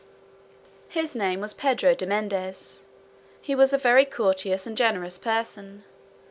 His name was Pedro de Mendez; he was a very courteous and generous person.